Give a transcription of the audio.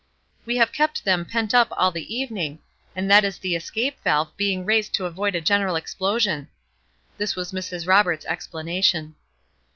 "We have kept them pent up all the evening, and that is the escape valve being raised to avoid a general explosion." This was Mrs. Roberts' explanation.